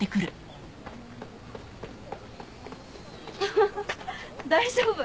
ハハハ大丈夫？